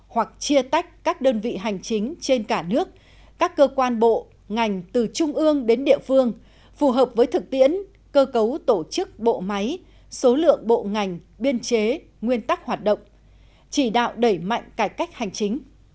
hoặc chia tách các đơn vị hành chính trên cả nước các cơ quan bộ ngành từ trung ương đến địa phương phù hợp với thực tiễn cơ cấu tổ chức bộ máy số lượng bộ ngành biên chế nguyên tắc hoạt động chỉ đạo đẩy mạnh cải cách hành chính